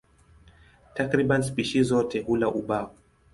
Takriban spishi zote hula ubao.